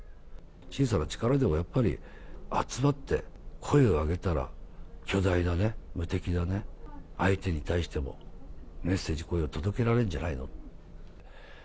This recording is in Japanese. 小さな力でも、やっぱり集まって声を上げたら、巨大なね、無敵なね、相手に対しても、メッセージ、声を届けられるんじゃないの。